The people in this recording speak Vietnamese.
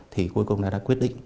thì cuối cùng đã quyết định